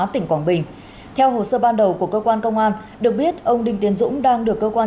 tỉnh quảng bình theo hồ sơ ban đầu của cơ quan công an được biết ông đinh tiến dũng đang được cơ quan